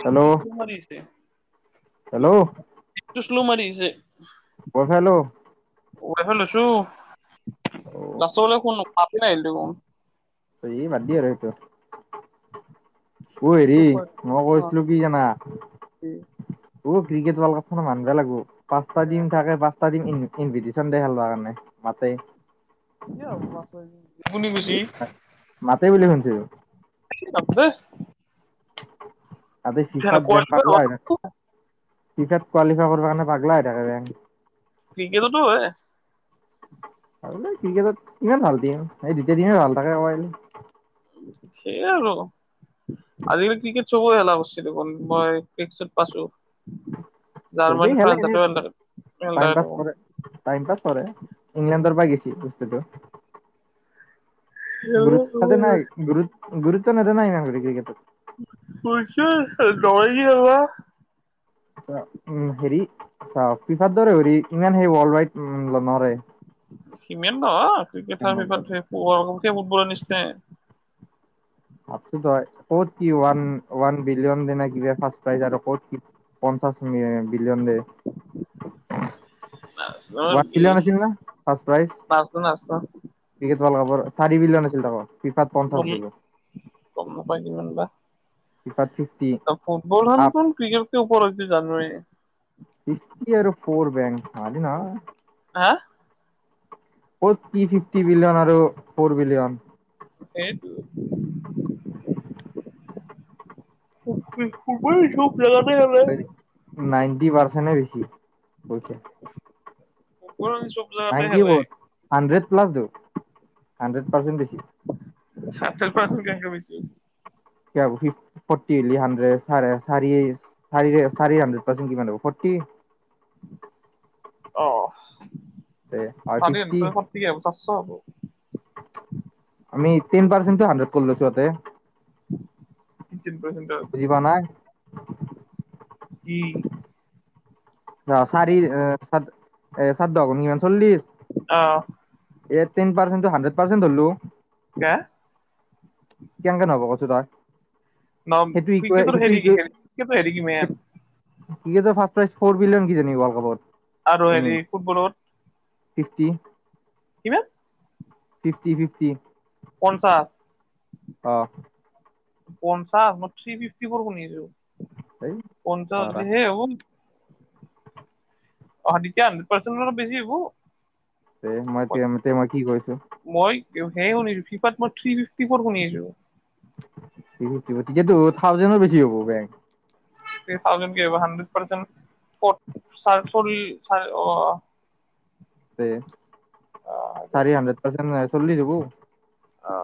Hello শ্ল' মাৰিছে hello কোলো মাৰিছে ফাই হেল্ল' [unintelligible] অ লাষ্ট ফালে ফোন কাটো নাহিল দেখোন সেই বাদ দিয়া আৰু সেইটো উই হেৰি মই কৈছিলো কি জানা অ ক্ৰিকেট ৱৰ্ল্ড কাপ খন মানব লাগবো পচটা টিম থাকে পাচ টা টিম ইন ইনভিটিচন দে খেলোৱা কাৰণে মাতে কি হব শুনি গৈছি মাতে বুলি শুনছো [unintelligible] [unintelligible] ফিফাত কোৱালিফাই কৰিব কাৰণে পাগলাই হৈ থাকে বে। ক্ৰিকেটতো হয়। আৰু ক্ৰিকেটত ইমান ভাল দিন এই দ্বিতীয় দিনে ভাল থাকিবই। সেইয়া আৰু। আজিকালি ক্ৰিকেট চব খেলা লাভ আছে দেখোন, মই ক্ৰিকট চট পাইছো, চবেই জাৰৰ্মনী খেলে ফ্ৰানস এনে [unintelligible] টাইম পাছ কৰে টাইম পাছ কৰে ইংলেণ্ডৰ পৰা গৈছে। [unintelligible] গুৰুত্ব যে নাই গুৰুত, গুৰুত ন তে নাই ন ডগ্ৰীিক [unintelligible] পছো ল হা [unintelligible] উ হেৰি, চাওক ফিফাৰ দৰে ইমান স ৱৰ্ল্ড ৱাইড নোৱাৰে। সিমান ন [unintelligible] ক্ৰিকেটৰ বিপৰকে ফুটবলৰ নিচিনা। ভাবছো ত ক'ত কি ওৱান ওান বিলিয়ন দ নিব ফাৰ্ষ প্ৰইজ আৰু ক'ত কি, পঞ্চাশ বিলিয়ন দে, ওৱান বিলিয়ন আছিল ন ফাৰ্ষ্ট প্ৰাইজ। নাজনা নাজনা যোৱা বাৰ কাপৰ চাৰি বিলিয়ন আছিল তাৰ পিফাত পঞ্চাশ বিলিয়ন [unintelligible] কম নাপাই দিমান বা। কি পঠ [unintelligible] ফুটবল হনোন [unintelligible] ক্ৰিকেট কেই উপৰত জানাই। ফিফটি আৰু আৰু ফৰ বেংক খালি ন। [unintelligible] হা, কত থিৰী ফিফটি বিলিয়ন আৰু ফৰ বিলিয়ন, সেইট, [unintelligible] খেলে নাইনটি পাৰ্চেনে বেছি কৈছে। প চব জাগাতে খেলেই। ক'ত হাণ্ড্ৰেড প্লাছ দিওঁ হাণ্ড্ৰেড পাৰ্চেণ্ট বেছি [unintelligible] [unintelligible] ফটি হলি হান্দ্ৰেদ ছাৰে চাৰি চাৰি হান্দ্ৰেড পাৰ্চেন্ট কিমান হব [unintelligible] কি অ, হয় চাধিন ফিফটি [unintelligible] ফৰ্টি হব চাৰশ হ'ব। আমি টেন পাৰ্চেটটো হাড্ৰেড কৰি লৈছো ইতে। ফিফটিন পাৰ্চেণ্ট পুজিবা নাই কি অ চাৰি এ চাদ্যখন কিমান চল্লিশ আহ এ টেন পাৰ্চেণ্টটো হাড্ৰেড পাৰ্চেন্ট ধল্লো কে কেনেকে নহব কছো তই। ন সেইটো ইকুৱে ক্ৰিকটৰ সেইটো হেৰি কি খ ক্ৰিকটৰ হেৰি কিমান? ক্ৰিকেটৰ ফাৰ্ষ্ট প্ৰাইজ ফৰ বিলিয়ন কিজেনি ৱৰ্ল্ড কাপত। আৰু উইনিং হেৰি ফুটবলত? ফিফটি কিমান ফিফটি ফিফটি পঞ্চাছ অ পঞ্চাশ ম থ্ৰী ফিফটি ফ শনিছো এই পঞ্চাশ ধৰা হ সেই হ'ব অতিয়া হাড্ৰড পাৰ্চেট বেি হ তে মই তেম কি কৈছো সেই শুছো ফফ মই থ ফফ শুনিছো ঠিকেতো থাউজেণ্ডৰ বেছি হব গে থ থাউজড হণ্ড্ৰেড প্চেণ্ট চৰি চ অ তে চাৰ আমদত পচন্দ ন চল লিছকো অ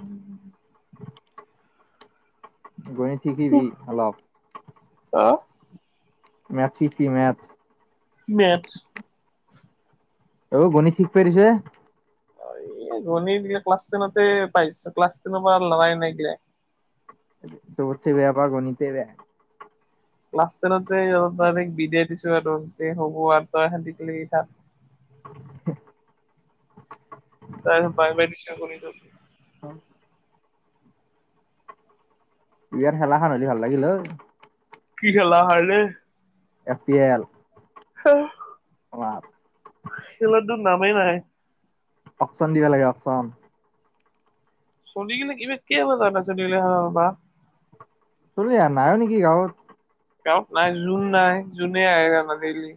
উম উ গণ থিকিবি অলপ ম শিি মথ মেটছ অ গণী ঠিক পিছে এই গণিত ক্লাছ টেনতে পাইছো ক্লাছ টেনৰ পৰা লৰাই নাইগিলা চবতছে বেয়া পা গণিতে বেয়া ক্লাছ টেনততে তই বিদিয়াই দিছো আৰু হ'ব আৰু তইে কি থ [unintelligible] ত পাই বাই নিশ্চনা কৰি অ ইয়াৰ খেলাখন হ'লে ভাল লাগিল হ কি খেলা হাৰ নে প এল হ অ খেলা দুত নামেই নাই অফচান দিবা লাগে আফচান চলিকিলে ইব কব ত চলে হাবা চলো ই নাই নেকি গাঁৱত গত নাই জোন নাই জোনে আহে জানা দি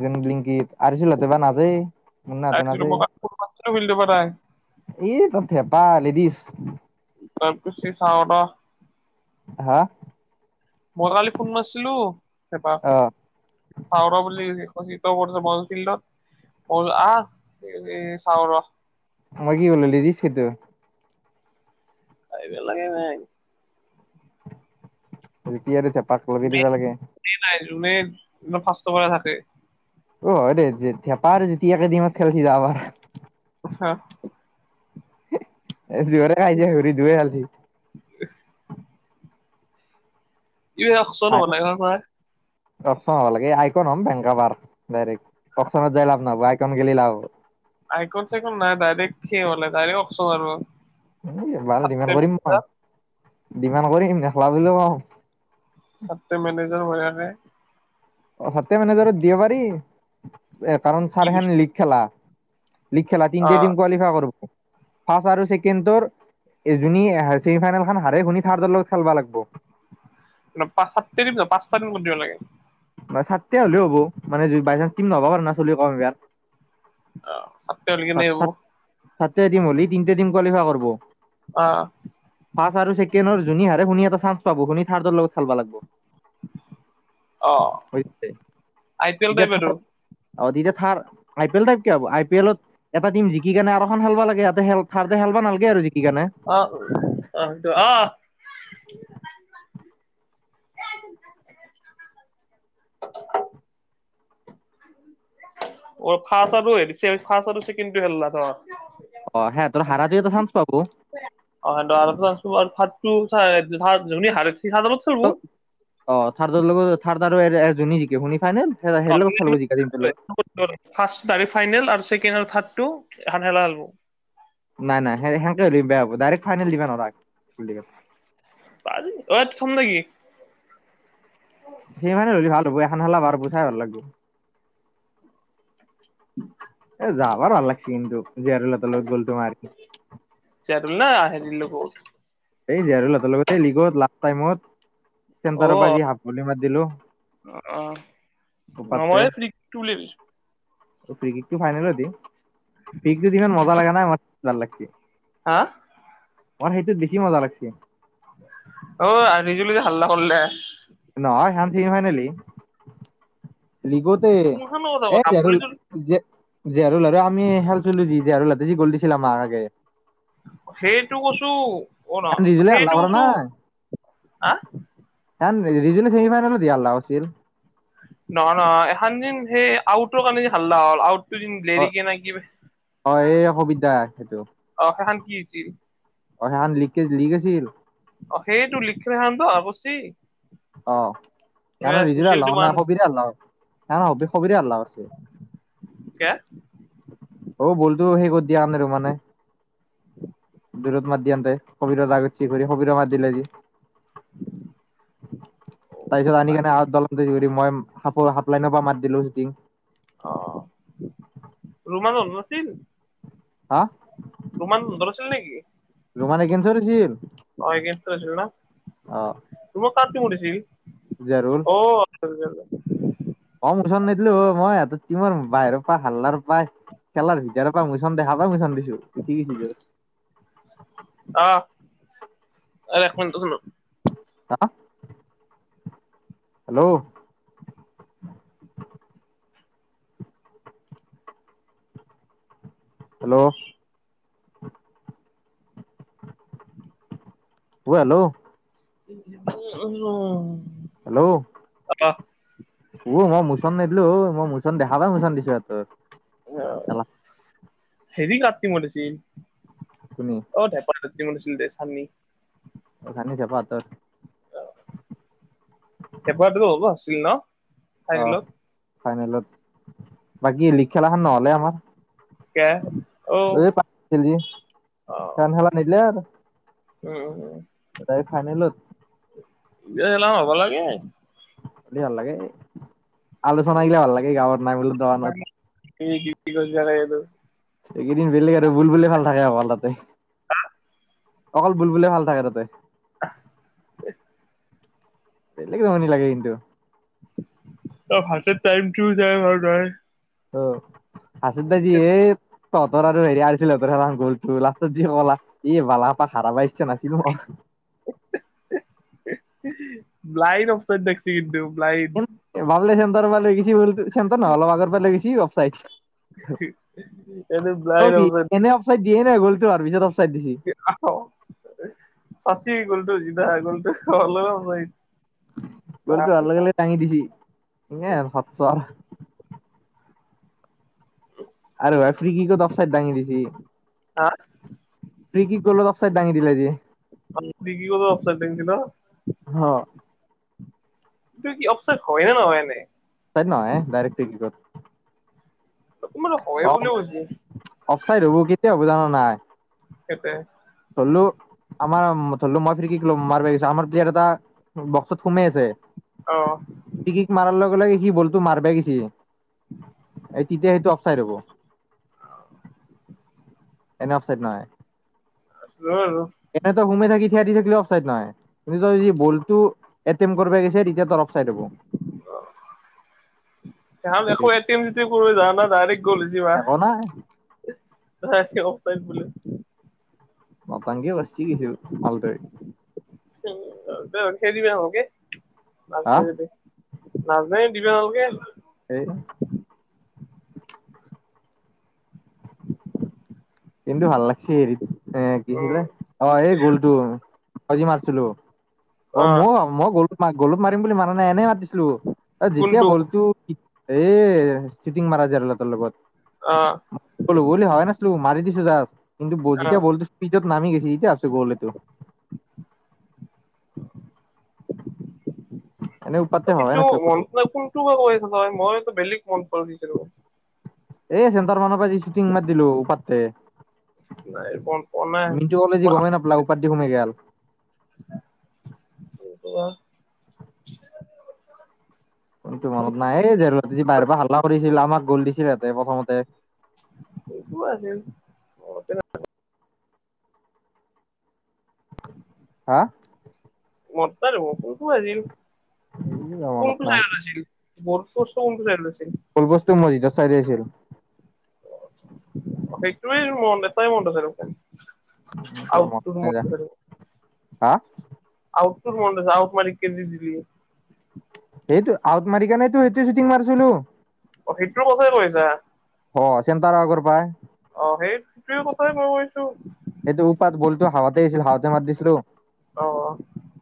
যে লিংকিতত আ চল হতে বা নাাজায় ম নহাতে নাজায় ফটো পাই এই কথে পাল দিছ তাৰ ক চি চাৱ হা মই কালি ফোন নাৰছিলো এপা অ পওৰা বুলি কৰিছে বল ফিল্ডত বল আহ চাও ৰ মই কি কৰিলোঁ লিদিছ খেদো আহিব লাগে নাই জুতি আৰু চেঁপাক লগাই দিবা লাগে তুমি একদম ফাৰ্ষ্ট পৰা থাকে অ অৰে যেতিয়া পাৰ যতিয়াাকে দিিম খেলি তা আবাৰ হা এ দুৰে খাইছে সৰি ধুইে চালছ ইচ নব নাই ঘৰ অপচন হ'ব লাগে আইকন হ'ম বেংকাবাৰ ডাইৰেক্ট অচনত যাই লাভ নহ'ব আইকন গেলি লাভ হ'ব আইকন চাইকন নাই ডাইৰেক্ট খে হলে ডাইৰেক্ট অকচন আৰু বাল ডিমাণ্ড চাৰটে কৰিম মই মেনেজাৰ ডিমাণ্ড কৰিম নেখেলাও বুলিও কম সাত্তে মেনেজাৰ হৈ [unintelligible] অ [unintelligible] মেনেজৰত দিয়ে পাৰি এ কাৰণ কি ছাৰ হেন বস্তু লীগ খেলা লীগ খেলা তিনটে টিম কোৱালিফাই কৰ্ব ফাৰ্ষ আৰু ছেকেণ্ড তোৰ এজনীয়ে ছেমি ফাইনেল খন হাৰে শুনি থাৰ দল খেলবা লাগব [unintelligible] পাঁচটা তাৰিখৰ কোন দিব লাগে ছাতে হ'লেও হ'ব মানে বাই চান্স কিম নহব পাৰে না চুলি কম হ'ব বিয়াৰ অ চত্য [unintelligible] ছাতটাই টিম হলি তিনিটা টিম কোৱালিফাই কৰিব অ ফাৰ্ষ আৰু ছেকেণ্ড যুনে হাৰে শুনি এটা চান্স পাব শুনি থাৰ্ডৰ লগত চাল লাগব অ আই পি এল এতিয়া টাইপ [unintelligible] আৰু অ' তেতিয়া থাৰ আই পি এল টাইপ কি হ'ব আই পি এলত। এটা টীম জিকি কিনে আৰু এখন খেলবা লাগে ইহতে খাৰতে খেলবা নালগে আৰু। জি আহ আহ আহ। [inaudible] ফাৰ্ষ্ট আৰু ছেকেণ্ডটো খেলিলা অ সিহঁতৰ সিহঁত। হাৰাটোৱে এটা চান্স পাব অ' [unintelligible] [unintelligible] অ' থাৰ্ডৰ লগত থাৰ্ডাৰ যোনে জিকে শুনি ফাইনেল [unintelligible] সেই লগত খেলব জিকা টিমটোৰ লগত ফাইনেল আৰু ছেকেণ্ড আৰু থাৰ্ড। টো এখন খেলা খেলব। নাই নাই, সেন-সেনকে হলে বেয়া হ'ব, ডাইৰেক্ট ফাইনেল দিবা নোৱাৰাক পাৰি, অ' ইয়াতে থম নেকি? [unintelligible] এ যোৱাবাৰ ভাল লাগছি কিন্তু। [unintelligible] তোমাৰ। চেয়াদুল [unintelligible] এই জীয়াৰুল হতৰ লগত এই লীগত লাষ্ট টাইমত অ চেণ্টাৰৰ পৰা যে হাফ গোলি মাৰি দিলো। অ' নময় ফ্ৰিকটো উলিয়াই দিছো। ফ্ৰিকিকটো ফাইনেলত দি, পিকটোত ইমান মজা লাগা নাই, [unintelligible] ভাল লাগছি। হা? মৰ সেইটো বেছি মজা লাগছি। অ' আজুলি যে হাল্লা কৰলে। নহয় সেনচি হয়নেলি লিগতে কোনখনৰ কথা এ, এ জাগোল আব্বুলিটো জে জেহাৰুল আৰু আমি হেলছিলো যি জেহাৰুলতে যি গ'ল দিছিল আমা আগে। সেইটো কৈছো অ ন টান ৰিজুল সেইটো হাল্লা কৰা কৈছো নাই। হা খন ৰিজুলে ছেমি ফাইনেলোত হে হাল্লা কৰছিল নহয় নহয় এখান যে সেই আউটৰ কাৰণে হাল্লা হ'ল আউ তুদিন অ লেৰিকে না কিবা অ এই সবিতা অহ' সেখান কি হৈছি। অহ' সেখান লিকেজ লিক আছিল। অহ' সেইয়েটো লিক সেখানতো হৱা কৰছি। অ। এ কাৰণ ৰিজোৰে হুইচেল হাল্লা টো কৰা মাৰা নাই নাছিল সবিৰে হল্লাহ না না সবিখ সবিৰে হল্লাহ কৰচি। কে অ বলতো সেই কৰি দিয়া আনে ৰোমানে দুৰত মাত দিয়ান্তে সবিৰৰ ৰাগ উঠচি ঘুৰি সবিৰক কাৰ্ড দিলে যি তাৰপিছত আনি কেনে আউট দলত [unintelligible] মই হাফো হাফলাইনৰ পৰা মাত দিলো জিং অহ' ৰুমাল হ'ল নাছিল। হা? তোমান ধৰ আছিল নেকি? ৰোমানানে কেনচৰছিল তোৰ আছিল না। অহ'। তাত তেমু দিছিল। অহ আ মই মোছন নিদলো হয়। মই সিহঁতৰ টীমৰ বাহিৰৰ পাই হাল্লাৰ পাই খেলাৰ ভিতৰৰ পৰা মোছন দেখা পাই মোচন দিছোঁ উঠি গেইচি যোৰ। অহ' এক মিনট ৰহ চোন ৰহ। হা হেল্ল'। [unintelligible] [unintelligible] হেল্ল'। অহ' হেল্ল'। [unintelligible] উম'। হেল্ল'। অহ মই মুচন নেদলো হয়, মই ম মুচন দেখা পাই মুচন দিছো সেহতৰ অহ' হেৰি কাৰ টিমত আছিল। শুনি অহ, ধেকৰ টিমত আছিলো দে ছানি অহ' ধানি জেপা হাতৰ। হেপাহটো হ'ব আছিল ন। অ [unintelligible] ফাইনেলত, বাকী লিক খেলাখন নহ'লে আমাৰ। কে অ এই [unintelligible] সেইখান‌ খেলা নেদলা আৰু। উম', উম', উম'। ফাইনেলত। এ এনেইও হ'বা লাগে। হ'লি ভাল লাগে, আলোচনা গিলা ভাল লাগে গাঁৱৰ নাই মিল দোকানত। [unintelligible] এইকেইদিন বেলেগ আৰু বুলবুলি খেল থাকে [unintelligible] তাতে। অকল বুলবুলি খেল থাকে তাতে। অহ, এ। বেলেগ জমনি লাগে কিন্তু। অহ, হাতত টাইমটো যায় বাৰু ভাই। অহ, আছাদ্ধাজি এইত তহঁতৰ আৰু হেৰি আৰছিল হঁতৰ গলতো লাষ্টত যি কলা এই [unintelligible] আপাক হাৰাবা ইচ্ছা নাছিলোঁ মই। ব্লাইড অপচন দেখচি কিন্তু ব্লাইড। চেণ্টাৰ পা লৈ গৈছি, বলটো চেণ্টাৰ নহয়, অলপ আগৰ পৰা লৈ গৈছি অফছাইড। এইটো অ', ব্লাইণ্ড কি অফচাইড এনে অফছাইড দিয়ে নে গ'লতো তাৰপিছত অফ আ, চাচি গলটো যিধা গ'লটো অলপ বলতো ভাল লাগিলে ডাঙি দিছি এনেই আৰু! ! ! ! ! ! ! ! ! ! আৰে ভাই ফ্ৰী কিকত অফছাইড ডাঙি দিছি। হা সি কি কৰল অপচাইদ দাঙি দিলা যি। [unintelligible] কি কৰবা অকচাইদ দাঙচি ন। অ' এইটো কি অকচাইদ হয় নে নহয় এনেই। [unintelligible] ডাইৰেক্ট ফেচবুকত। কোনোবাটো হয় অহ, বুলিও কৈছে অফচাইড হ'বো কেতিয়া হ'বো জানা নে নাই। সেইটোয়ে। ধৰলোঁ আমাৰ ধৰলোঁ মই ফ্ৰী কিক ল'ম মাৰবা গেছো আমাৰ প্লেয়াৰ এটা বক্সত সোমাই আছে অ ফ্ৰী কিক মাৰাৰ লগ মোৰ লাগে সি বলটো মাৰবায়ে গেছি, এই তেতিয়া সেইটো অফচাইড হ'ব। এনে অফছাইড নহয়। আছিলো আৰু এনেতো ঘুমি থাকি দি থাকিলে অফছাইড নহয় যদি বলটো এটেম কৰিব গেছি তেতিয়া তাৰ তাহঁত একো এটেম-চেটেম কৰবা যোৱা নাই, ডাইৰেক্ট গল যিবা একো নাই অফ ছাইড বুলে। নটংকি কৰছে কিছু! ! ! ! ! ! ! ! ! ! খেলিবা ভালকে হা নাজনে দিবা নালগে সে কিন্ত ভাল লাগছি হৰিত উম কিছিলে এই গলটো জি মাৰিছিলোঁ অ', মই মই গল গলত মাৰিম বুলি মাৰা নাই এনেই মাৰিছিলোঁ। অ', যেতিয়া কোনটো গ'লটো এ ছোটিং মাৰা যে যাৰ লগত। অ অ বলো বলি হয় নাছিলো মাৰি দিছো যা কিন্তু যেতিয়া বলটো স্পীডত নামি গেছি তেতিয়া ভাবছোঁ গল এইটো। [inaudible] এনে উপাতে ত' ভবাই সেইটো নাছিলো মন ক'তো নাই কোনটো বা কৈ আছ তই মই আকৌ বেলেগ মন [unintelligible] এই চেণ্টাৰ মানুহ আজি শ্বুটিং মাৰতি দিলোঁ পাততে। নাই মনত পৰা নাই মিণ্টু সঁতে যে গমেই নাপালাক, ওপৰ দি সোমাই গেল। [inaudible] কোনটো বা? কোনটো মনত নাই এই জে বাহিৰৰ পৰা হাল্লা কৰিছিল আমাক গ'ল দিছিলহেঁতে প্ৰথমতে। এইটো আছিল [unintelligible] [inaudible] হা? মনত নাই দেখোন, কোনটো আছিল? [inaudible] মনত কোনটো নাই চাইডত আছিল বৰ্ড ফৰ্চটো কোনটো চাইডত আছিল ফুল বস্তু মজিদত চাই দি আছিল। সেইটোৱেই মনত এতাই মনত আছে, ৰ' খেল। আউটটো হে নাই যা মনত আছে মোৰ, হা আউটটো মনত আছে, আউট মাৰি [unintelligible] সেইটো আউট মাৰিকেনেতো সেইটো শ্বুটিং মাৰিছিলোঁ। অ', সেইটোৰ কথা কৈছা চেণ্টাৰ আগৰ পাই অ, সেই সিটো কথা [unintelligible] এইটো উপাত বলটো হাৱাতেই আছিল হাৱাতে মাৰ দিছিলোঁ। অ'।